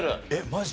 マジ？